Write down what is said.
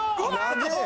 長え！